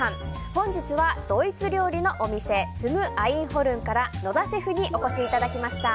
本日はドイツ料理のお店ツム・アインホルンから野田シェフにお越しいただきました。